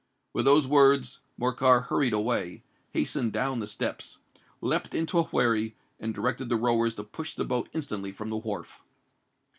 With these words, Morcar hurried away—hastened down the steps, leapt into a wherry, and directed the rowers to push the boat instantly from the wharf.